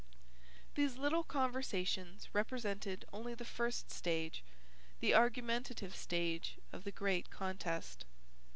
These little conversations represented only the first stage, the argumentative stage of the great contest.